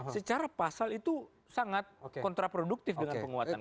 secara pasal itu sangat kontraproduktif dengan penguatan